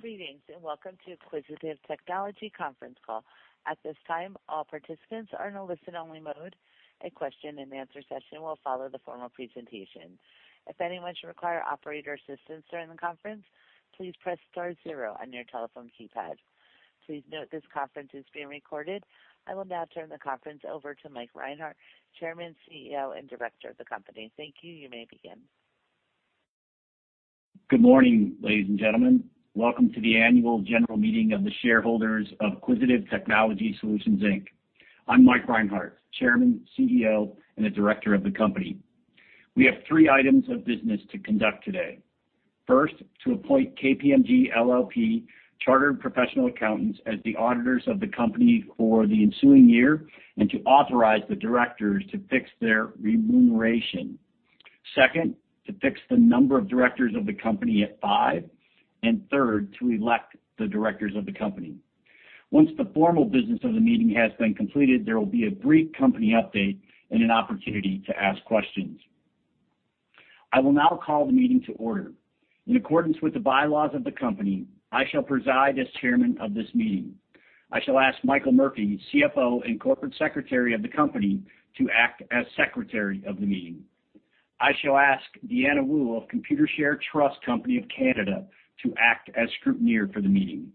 Greetings, welcome to Quisitive Technology conference call. At this time, all participants are in a listen-only mode. A question and answer session will follow the formal presentation. If anyone should require operator assistance during the conference, please press star zero on your telephone keypad. Please note this conference is being recorded. I will now turn the conference over to Mike Reinhart, Chairman, CEO, and Director of the company. Thank you. You may begin. Good morning, ladies and gentlemen. Welcome to the annual general meeting of the shareholders of Quisitive Technology Solutions Inc. I'm Mike Reinhart, Chairman, CEO, and a Director of the company. We have three items of business to conduct today. First, to appoint KPMG LLP Chartered Professional Accountants as the auditors of the company for the ensuing year and to authorize the directors to fix their remuneration. Second, to fix the number of directors of the company at five. Third, to elect the directors of the company. Once the formal business of the meeting has been completed, there will be a brief company update and an opportunity to ask questions. I will now call the meeting to order. In accordance with the bylaws of the company, I shall preside as chairman of this meeting. I shall ask Michael Murphy, CFO, and Corporate Secretary of the company to act as secretary of the meeting. I shall ask Deanna Wu of Computershare Trust Company of Canada to act as scrutineer for the meeting.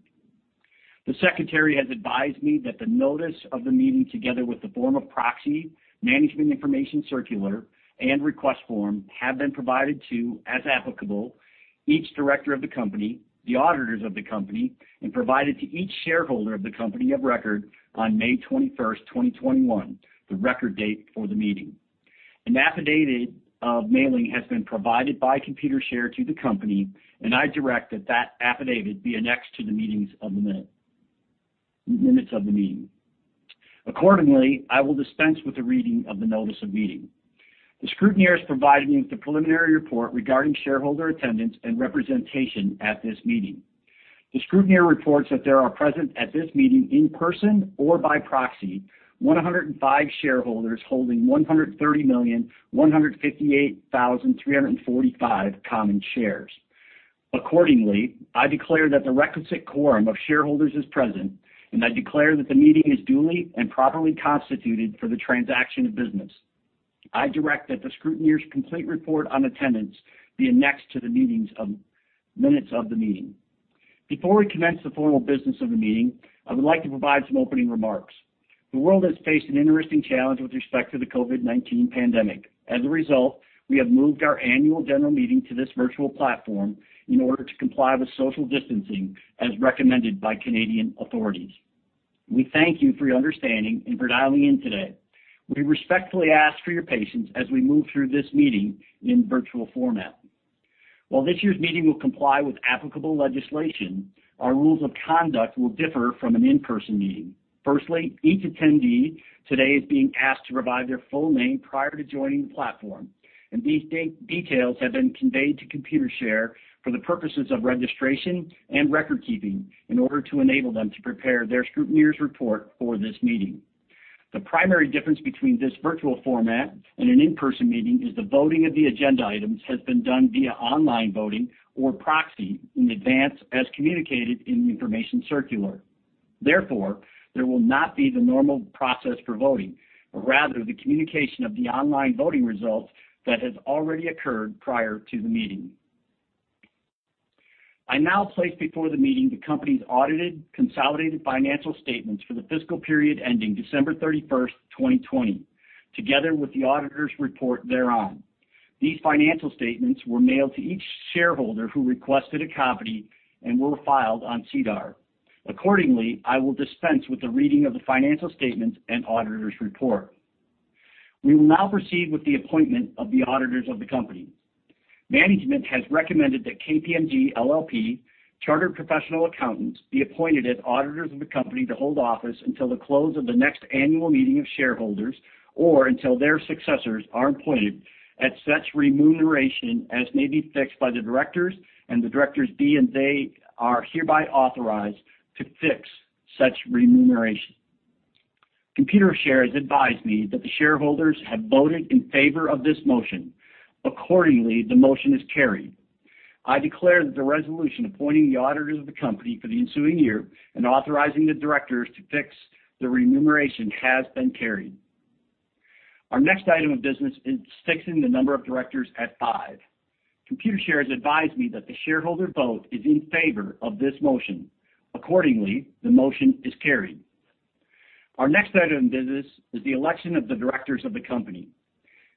The secretary has advised me that the notice of the meeting, together with the form of proxy, management information circular, and request form, have been provided to, as applicable, each director of the company, the auditors of the company, and provided to each shareholder of the company of record on May 21st, 2021, the record date for the meeting. An affidavit of mailing has been provided by Computershare to the company, and I direct that affidavit be annexed to the minutes of the meeting. Accordingly, I will dispense with the reading of the notice of meeting. The scrutineer has provided me with the preliminary report regarding shareholder attendance and representation at this meeting. The scrutineer reports that there are present at this meeting in person or by proxy 105 shareholders holding 130,158,345 common shares. Accordingly, I declare that the requisite quorum of shareholders is present, and I declare that the meeting is duly and properly constituted for the transaction of business. I direct that the scrutineer's complete report on attendance be annexed to the minutes of the meeting. Before we commence the formal business of the meeting, I would like to provide some opening remarks. The world has faced an interesting challenge with respect to the COVID-19 pandemic. As a result, we have moved our annual general meeting to this virtual platform in order to comply with social distancing as recommended by Canadian authorities. We thank you for your understanding and for dialing in today. We respectfully ask for your patience as we move through this meeting in virtual format. While this year's meeting will comply with applicable legislation, our rules of conduct will differ from an in-person meeting. Firstly, each attendee today is being asked to provide their full name prior to joining the platform, and these details have been conveyed to Computershare for the purposes of registration and record keeping in order to enable them to prepare their scrutineer's report for this meeting. The primary difference between this virtual format and an in-person meeting is the voting of the agenda items has been done via online voting or proxy in advance, as communicated in the information circular. Therefore, there will not be the normal process for voting, but rather the communication of the online voting results that has already occurred prior to the meeting. I now place before the meeting the company's audited consolidated financial statements for the fiscal period ending December 31st, 2020, together with the auditor's report thereon. These financial statements were mailed to each shareholder who requested a copy and were filed on SEDAR. Accordingly, I will dispense with the reading of the financial statements and auditor's report. We will now proceed with the appointment of the auditors of the company. Management has recommended that KPMG LLP, Chartered Professional Accountants, be appointed as auditors of the company to hold office until the close of the next annual meeting of shareholders or until their successors are appointed at such remuneration as may be fixed by the directors and the directors be, and they are hereby authorized to fix such remuneration. Computershare has advised me that the shareholders have voted in favor of this motion. Accordingly, the motion is carried. I declare that the resolution appointing the auditors of the company for the ensuing year and authorizing the directors to fix the remuneration has been carried. Our next item of business is fixing the number of directors at five. Computershare has advised me that the shareholder vote is in favor of this motion. Accordingly, the motion is carried. Our next item of business is the election of the directors of the company.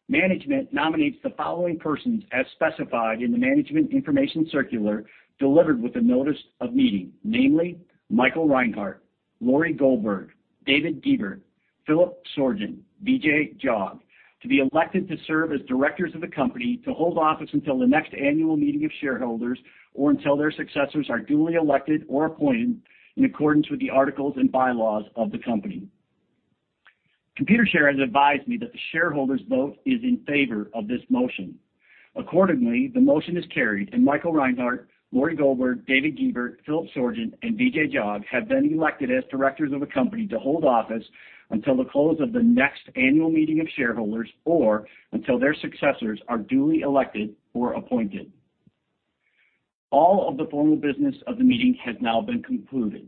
Management nominates the following persons as specified in the management information circular delivered with the notice of meeting, namely Michael Reinhart, Laurie Goldberg, David Guebert, Philip Sorgen, Vijay Jog, to be elected to serve as directors of the company to hold office until the next annual meeting of shareholders or until their successors are duly elected or appointed in accordance with the articles and bylaws of the company. Computershare has advised me that the shareholders' vote is in favor of this motion. Accordingly, the motion is carried, and Michael Reinhart, Laurie Goldberg, David Guebert, Phil Sorgen, and Vijay Jog have been elected as directors of the company to hold office until the close of the next annual meeting of shareholders or until their successors are duly elected or appointed. All of the formal business of the meeting has now been concluded.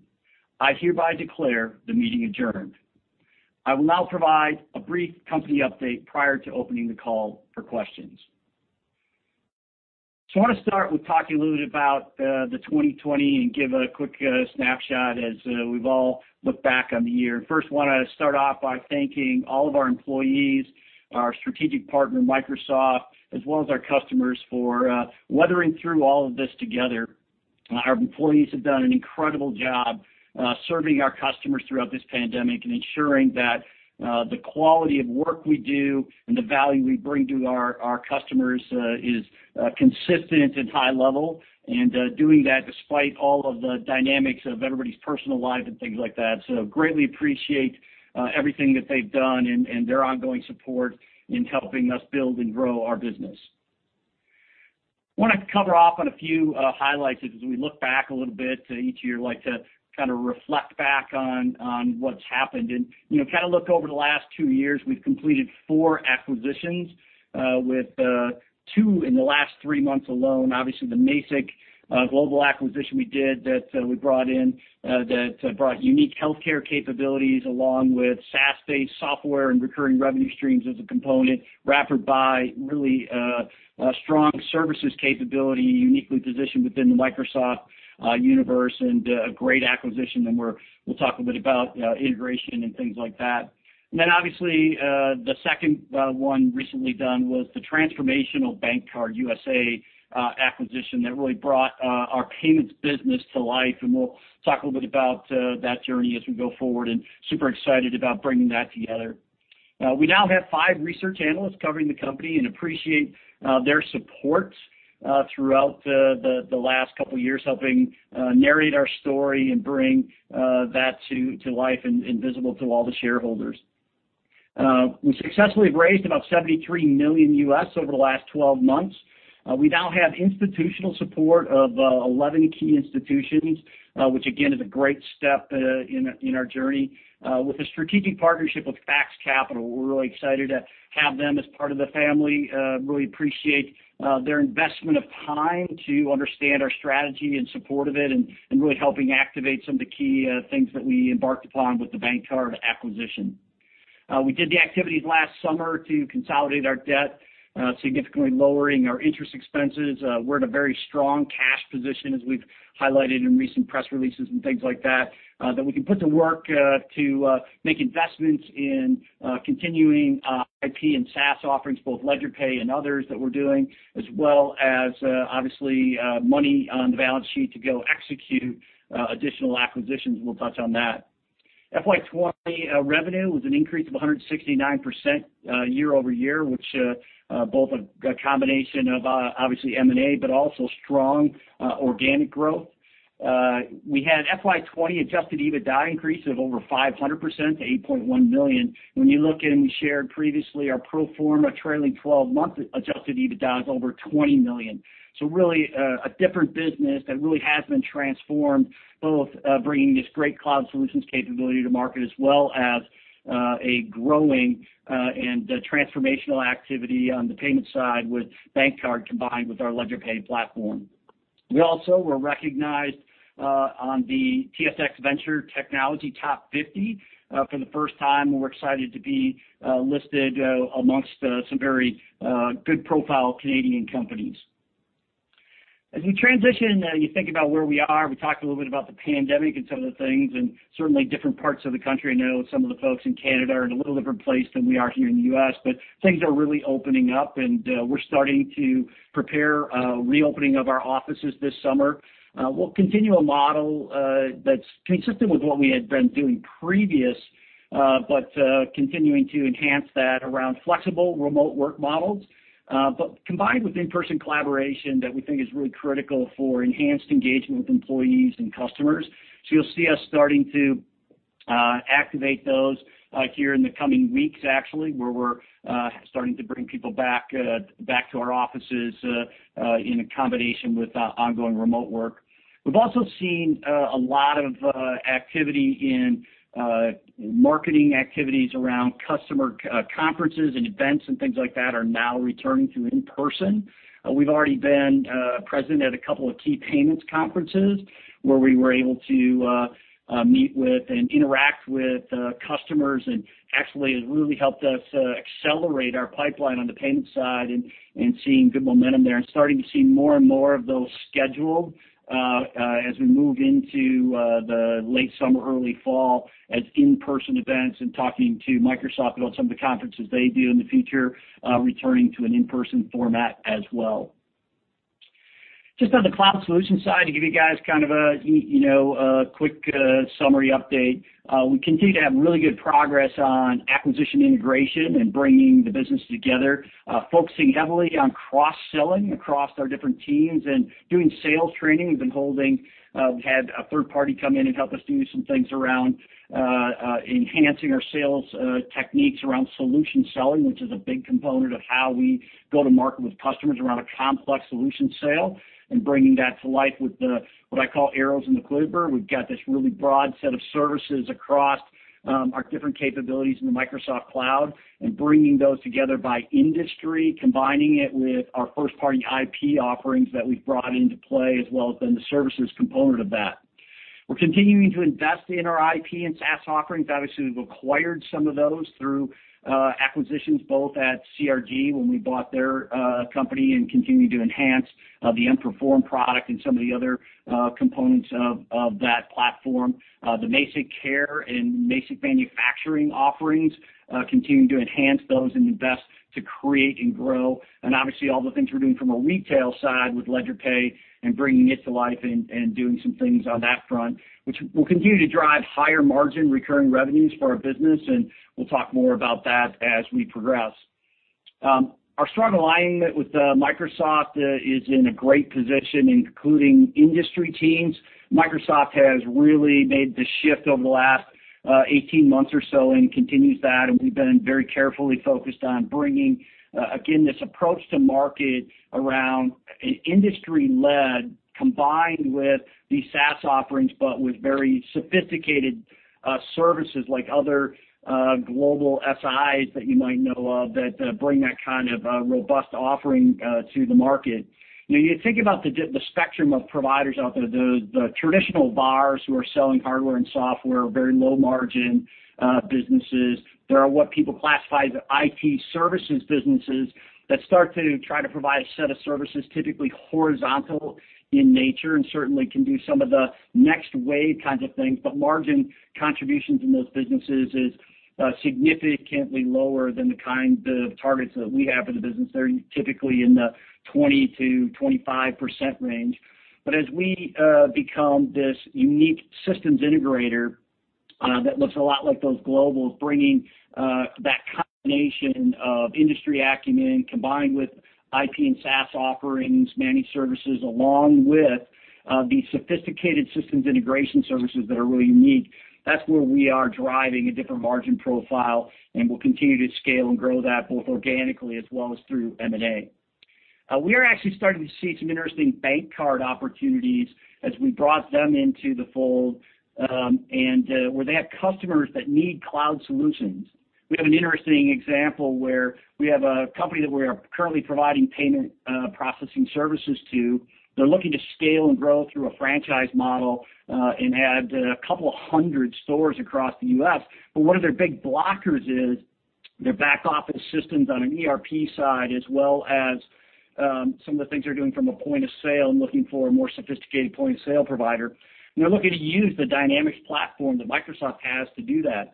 I hereby declare the meeting adjourned. I will now provide a brief company update prior to opening the call for questions. I want to start with talking a little bit about the 2020 and give a quick snapshot as we've all looked back on the year. First, I want to start off by thanking all of our employees, our strategic partner, Microsoft, as well as our customers for weathering through all of this together. Our employees have done an incredible job serving our customers throughout this pandemic and ensuring that the quality of work we do and the value we bring to our customers is consistent and high level, and doing that despite all of the dynamics of everybody's personal lives and things like that. Greatly appreciate everything that they've done and their ongoing support in helping us build and grow our business. Want to cover off on a few highlights as we look back a little bit. Each year, we like to reflect back on what's happened and look over the last two years, we've completed four acquisitions, with two in the last three months alone. Obviously, the Mazik Global acquisition we did that brought unique healthcare capabilities along with SaaS-based software and recurring revenue streams as a component, wrapped by really strong services capability, uniquely positioned within the Microsoft universe, and a great acquisition, and we'll talk a bit about integration and things like that. Obviously, the second one recently done was the transformational BankCard USA acquisition that really brought our payments business to life, and we'll talk a little bit about that journey as we go forward, and super excited about bringing that together. We now have five research analysts covering the company and appreciate their support throughout the last couple of years, helping narrate our story and bring that to life and visible to all the shareholders. We successfully raised about $73 million over the last 12 months. We now have institutional support of 11 key institutions, which again, is a great step in our journey with a strategic partnership with FAX Capital. We're really excited to have them as part of the family. Really appreciate their investment of time to understand our strategy in support of it and really helping activate some of the key things that we embarked upon with the BankCard acquisition. We did the activities last summer to consolidate our debt, significantly lowering our interest expenses. We're in a very strong cash position, as we've highlighted in recent press releases and things like that we can put to work to make investments in continuing IP and SaaS offerings, both LedgerPay and others that we're doing, as well as obviously money on the balance sheet to go execute additional acquisitions. We'll touch on that. FY 2020 revenue with an increase of 169% year-over-year, which both a combination of obviously M&A, but also strong organic growth. We had FY 2020 adjusted EBITDA increase of over 500% to 8.1 million. When you look at and we shared previously our pro forma trailing 12-month adjusted EBITDA is over 20 million. Really a different business that really has been transformed, both bringing this great cloud solutions capability to market as well as a growing and transformational activity on the payment side with BankCard combined with our LedgerPay platform. We also were recognized on the TSX Venture technology top 50 for the first time. We're excited to be listed amongst some very good profile Canadian companies. As we transition, you think about where we are. We talked a little bit about the pandemic and some of the things, and certainly different parts of the country. I know some of the folks in Canada are in a little different place than we are here in the U.S., things are really opening up, and we're starting to prepare reopening of our offices this summer. We'll continue a model that's consistent with what we had been doing previous, but continuing to enhance that around flexible remote work models, but combined with in-person collaboration that we think is really critical for enhanced engagement with employees and customers. You'll see us starting to activate those here in the coming weeks, actually, where we're starting to bring people back to our offices in a combination with ongoing remote work. We've also seen a lot of activity in marketing activities around customer conferences and events, things like that are now returning to in-person. We've already been present at a couple of key payments conferences where we were able to meet with and interact with customers, and actually it really helped us accelerate our pipeline on the payment side and seeing good momentum there and starting to see more and more of those scheduled as we move into the late summer, early fall as in-person events and talking to Microsoft and some of the conferences they do in the future, returning to an in-person format as well. Just on the cloud solution side, to give you guys a quick summary update. We continue to have really good progress on acquisition integration and bringing the business together, focusing heavily on cross-selling across our different teams and doing sales training. We've had a third party come in and help us do some things around enhancing our sales techniques around solution selling, which is a big component of how we go to market with customers around a complex solution sale and bringing that to life with what I call arrows in the quiver. We've got this really broad set of services across our different capabilities in the Microsoft Cloud and bringing those together by industry, combining it with our first-party IP offerings that we've brought into play as well as the services component of that. We're continuing to invest in our IP and SaaS offerings. Obviously, we've acquired some of those through acquisitions, both at CRG, when we bought their company, and continue to enhance the emPerform product and some of the other components of that platform. The MazikCare and Mazik Manufacturing offerings, continuing to enhance those and invest to create and grow. Obviously all the things we're doing from a retail side with LedgerPay and bringing it to life and doing some things on that front, which will continue to drive higher margin recurring revenues for our business, and we'll talk more about that as we progress. Our strong alignment with Microsoft is in a great position, including industry teams. Microsoft has really made the shift over the last 18 months or so and continues that, and we've been very carefully focused on bringing, again, this approach to market around an industry-led, combined with the SaaS offerings, but with very sophisticated services like other global SIs that you might know of that bring that kind of a robust offering to the market. Now you think about the spectrum of providers out there, the traditional VARs who are selling hardware and software, very low margin businesses. There are what people classify as IT services businesses that start to try to provide a set of services, typically horizontal in nature, and certainly can do some of the next wave kinds of things. But margin contributions in those businesses is significantly lower than the kinds of targets that we have for the business. They're typically in the 20%-25% range. But as we become this unique systems integrator that looks a lot like those globals, bringing that combination of industry acumen combined with IP and SaaS offerings, managed services, along with the sophisticated systems integration services that are really unique. That's where we are driving a different margin profile and will continue to scale and grow that both organically as well as through M&A. We are actually starting to see some interesting BankCard opportunities as we brought them into the fold, and where they have customers that need cloud solutions. We have an interesting example where we have a company that we are currently providing payment processing services to. They're looking to scale and grow through a franchise model, and add 200 stores across the U.S. One of their big blockers is their back-office systems on an ERP side, as well as some of the things they're doing from a point of sale and looking for a more sophisticated point-of-sale provider. They're looking to use the Dynamics platform that Microsoft has to do that.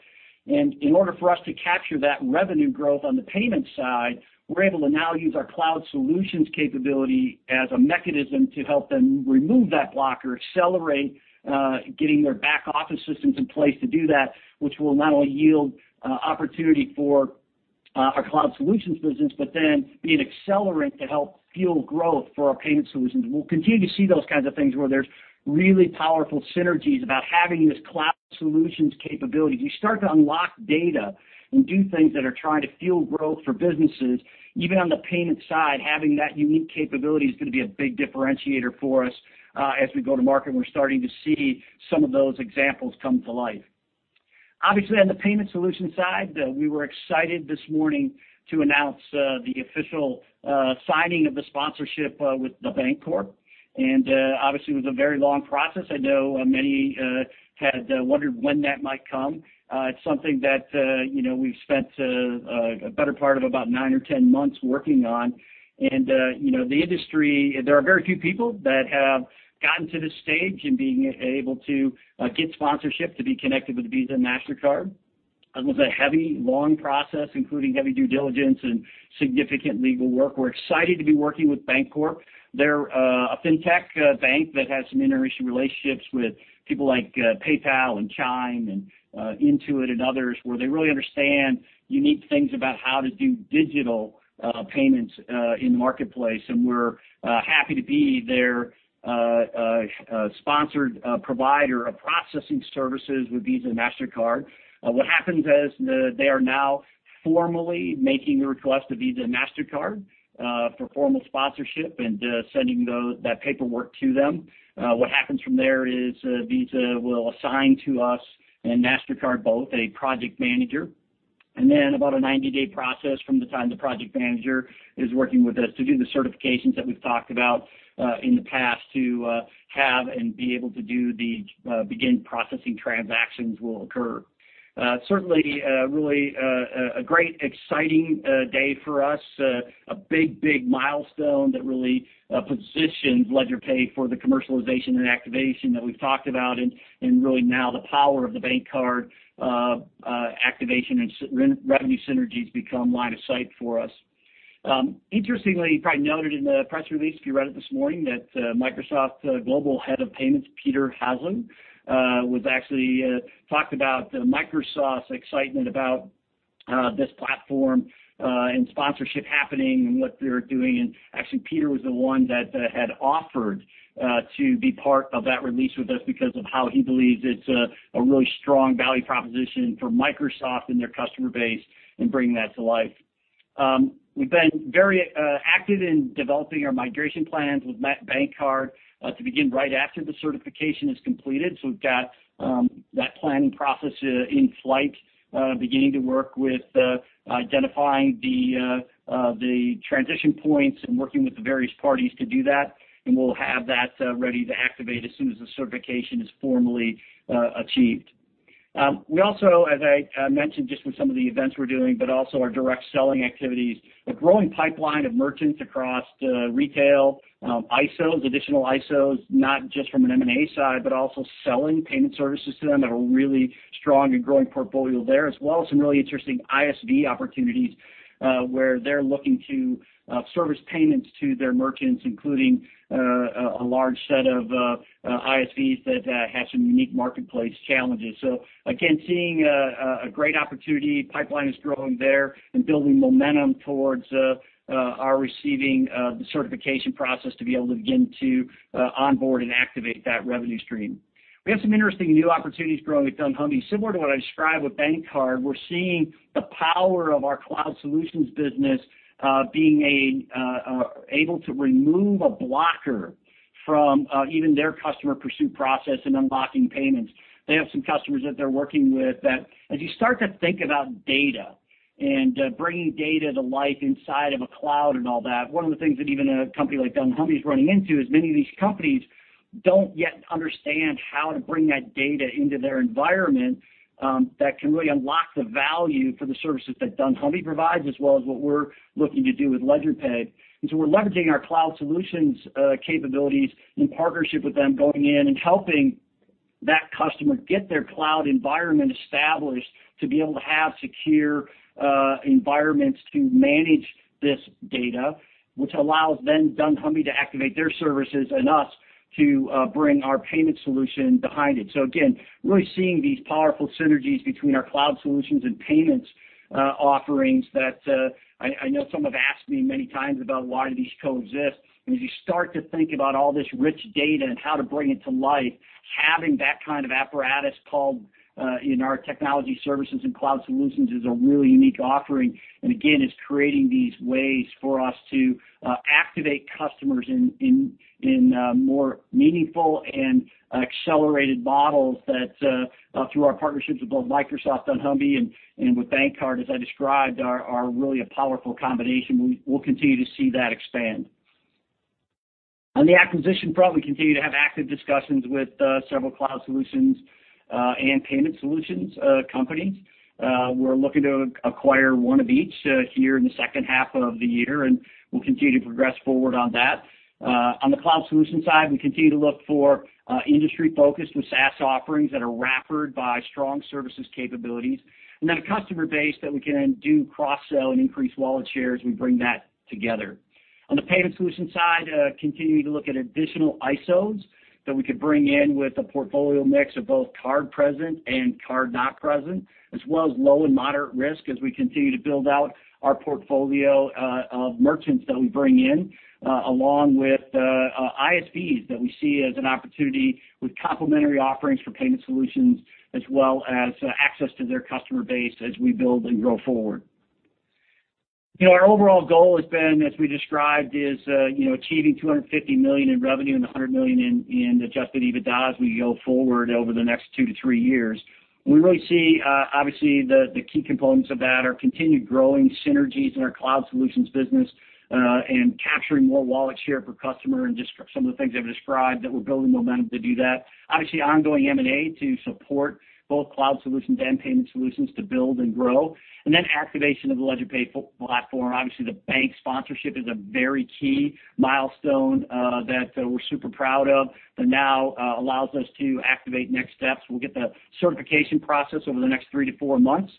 In order for us to capture that revenue growth on the payment side, we're able to now use our cloud solutions capability as a mechanism to help them remove that blocker, accelerate getting their back-office systems in place to do that, which will not only yield opportunity for our cloud solutions business, but then be an accelerant to help fuel growth for our payment solutions. We'll continue to see those kinds of things where there's really powerful synergies about having this cloud solutions capability. You start to unlock data and do things that are trying to fuel growth for businesses. Even on the payment side, having that unique capability is going to be a big differentiator for us as we go to market, and we're starting to see some of those examples come to life. Obviously, on the payment solution side, we were excited this morning to announce the official signing of the sponsorship with Bancorp. Obviously it was a very long process. I know many had wondered when that might come. It's something that we've spent a better part of about nine or 10 months working on. There are very few people that have gotten to this stage in being able to get sponsorship to be connected with Visa and Mastercard. It was a heavy, long process, including heavy due diligence and significant legal work. We're excited to be working with Bancorp. They're a fintech bank that has some interesting relationships with people like PayPal and Chime and Intuit and others, where they really understand unique things about how to do digital payments in the marketplace. We're happy to be their sponsored provider of processing services with Visa and Mastercard. What happens is they are now formally making the request to Visa and Mastercard for formal sponsorship and sending that paperwork to them. What happens from there is Visa will assign to us and Mastercard both, a project manager, and then about a 90-day process from the time the project manager is working with us to do the certifications that we've talked about in the past to have and be able to do the begin processing transactions will occur. Certainly really a great exciting day for us. A big milestone that really positions LedgerPay for the commercialization and activation that we've talked about and really now the power of the BankCard activation and revenue synergies become line of sight for us. Interestingly, you probably noted in the press release if you read it this morning, that Microsoft Global Head of Payments, Peter Hazou, actually talked about Microsoft's excitement about this platform and sponsorship happening and what they're doing. Actually, Peter was the one that had offered to be part of that release with us because of how he believes it's a really strong value proposition for Microsoft and their customer base in bringing that to life. We've been very active in developing our migration plans with BankCard to begin right after the certification is completed. We've got that planning process in flight, beginning to work with identifying the transition points and working with the various parties to do that. We'll have that ready to activate as soon as the certification is formally achieved. We also, as I mentioned, just with some of the events we're doing, but also our direct selling activities, a growing pipeline of merchants across retail, ISOs, additional ISOs, not just from an M&A side, but also selling payment services to them at a really strong and growing portfolio there, as well as some really interesting ISV opportunities where they're looking to service payments to their merchants, including a large set of ISVs that have some unique marketplace challenges. Again, seeing a great opportunity, pipeline is growing there and building momentum towards our receiving the certification process to be able to begin to onboard and activate that revenue stream. We have some interesting new opportunities growing at dunnhumby. Similar to what I described with BankCard, we're seeing the power of our cloud solutions business being able to remove a blocker from even their customer pursuit process and unlocking payments. They have some customers that they're working with that as you start to think about data and bringing data to life inside of a cloud and all that, one of the things that even a company like dunnhumby is running into is many of these companies don't yet understand how to bring that data into their environment that can really unlock the value for the services that dunnhumby provides, as well as what we're looking to do with LedgerPay. We're leveraging our cloud solutions capabilities in partnership with them going in and helping that customer get their cloud environment established to be able to have secure environments to manage this data, which allows dunnhumby to activate their services and us to bring our payment solution behind it. Again, really seeing these powerful synergies between our cloud solutions and payments offerings that I know some have asked me many times about why do these coexist? As you start to think about all this rich data and how to bring it to life, having that kind of apparatus called in our technology services and cloud solutions is a really unique offering. Again, it's creating these ways for us to activate customers in more meaningful and accelerated models that through our partnerships with both Microsoft, dunnhumby and with BankCard, as I described, are really a powerful combination. We'll continue to see that expand. On the acquisition front, we continue to have active discussions with several cloud solutions and payment solutions companies. We're looking to acquire one of each here in the second half of the year, and we'll continue to progress forward on that. On the cloud solution side, we continue to look for industry-focused and SaaS offerings that are wrappered by strong services capabilities and a customer base that we can do cross-sell and increase wallet shares and bring that together. On the payment solution side, continuing to look at additional ISOs that we can bring in with a portfolio mix of both card present and card not present, as well as low and moderate risk as we continue to build out our portfolio of merchants that we bring in, along with ISVs that we see as an opportunity with complementary offerings for payment solutions as well as access to their customer base as we build and go forward. Our overall goal has been, as we described, is achieving 250 million in revenue and 100 million in adjusted EBITDA as we go forward over the next two to three years. We really see, obviously, the key components of that are continued growing synergies in our cloud solutions business and capturing more wallet share per customer and just some of the things I described that we're building momentum to do that. Obviously, ongoing M&A to support both cloud solutions and payment solutions to build and grow. Activation of the LedgerPay platform. Obviously, the bank sponsorship is a very key milestone that we're super proud of, that now allows us to activate next steps. We'll get the certification process over the next three to four months.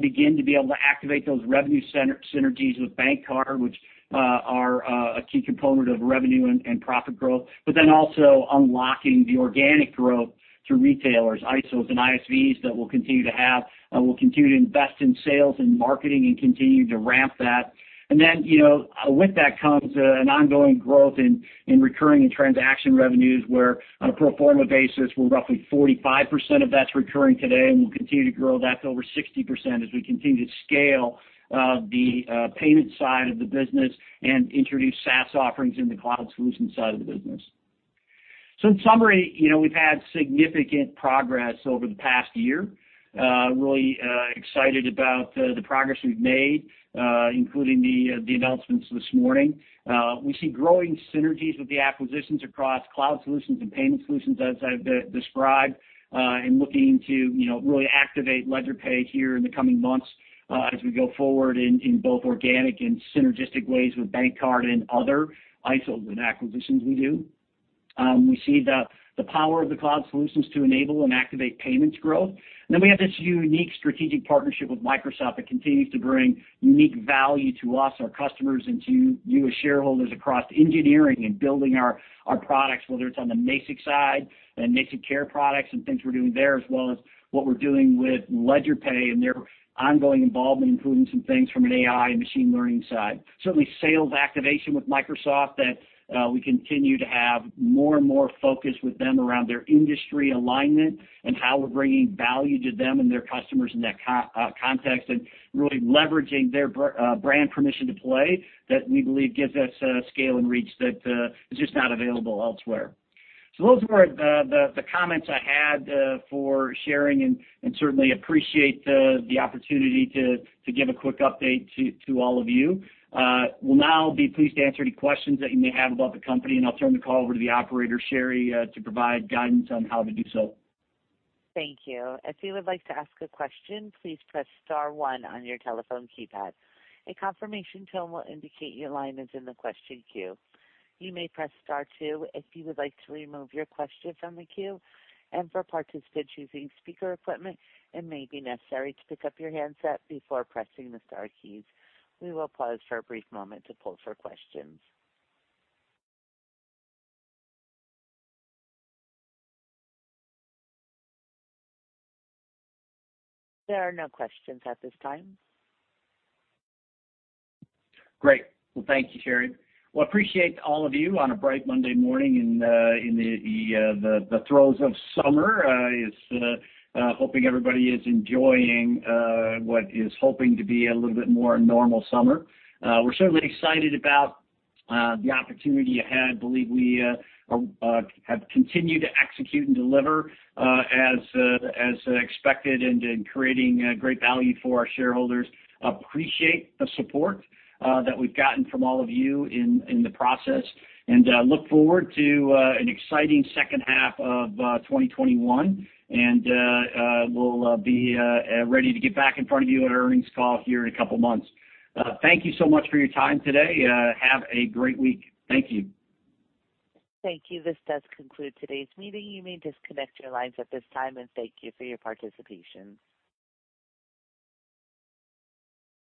Begin to be able to activate those revenue synergies with BankCard, which are a key component of revenue and profit growth, but then also unlocking the organic growth through retailers, ISOs, and ISVs that we'll continue to have and we'll continue to invest in sales and marketing and continue to ramp that. With that comes an ongoing growth in recurring and transaction revenues, where on a pro forma basis, we're roughly 45% of that's recurring today, and we'll continue to grow that to over 60% as we continue to scale the payment side of the business and introduce SaaS offerings in the cloud solutions side of the business. In summary, we've had significant progress over the past year. Really excited about the progress we've made, including the announcements this morning. We see growing synergies with the acquisitions across cloud solutions and payment solutions as I've described, looking to really activate LedgerPay here in the coming months as we go forward in both organic and synergistic ways with BankCard and other ISOs and acquisitions we do. We see the power of the cloud solutions to enable and activate payments growth. Then we have this unique strategic partnership with Microsoft that continues to bring unique value to us, our customers, and to you as shareholders across engineering and building our products, whether it's on the Mazik side, the MazikCare products and things we're doing there, as well as what we're doing with LedgerPay and their ongoing involvement, including some things from an AI and machine learning side. Sales activation with Microsoft that we continue to have more and more focus with them around their industry alignment and how we're bringing value to them and their customers in that context, and really leveraging their brand permission to play that we believe gives us scale and reach that is just not available elsewhere. Those were the comments I had for sharing, and certainly appreciate the opportunity to give a quick update to all of you. Will now be pleased to answer any questions that you may have about the company, and I'll turn the call over to the operator, Sherry, to provide guidance on how to do so. Thank you. If you would like to ask a question, please press star one on your telephone keypad. A confirmation tone will indicate your line is in the question queue. You may press star two if you would like to remove your question from the queue. For participants using speaker equipment, it may be necessary to pick up your handset before pressing the star keys. We will pause for a brief moment to poll for questions. There are no questions at this time. Well, thank you, Sherry. Well, appreciate all of you on a bright Monday morning in the throes of summer. We are hoping everybody is enjoying what is hoping to be a little bit more normal summer. We're certainly excited about the opportunity ahead. We believe we have continued to execute and deliver as expected and in creating great value for our shareholders. We appreciate the support that we've gotten from all of you in the process, and look forward to an exciting second half of 2021. We'll be ready to get back in front of you at earnings call here in a couple of months. Thank you so much for your time today. Have a great week. Thank you. Thank you. This does conclude today's meeting. You may disconnect your lines at this time, and thank you for your participation.